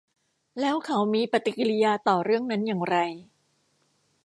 แล้วเขามีปฏิกิริยาต่อเรื่องนั้นอย่างไร